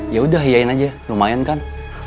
yaudah hiain aja lumayan kan